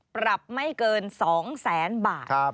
ปรับไม่เกิน๒แสนบาท